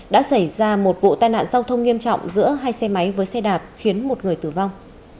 đã xảy ra một vụ tai nạn giao thông nghiêm trọng giữa hai xe máy với xe đạp khiến một người tử vong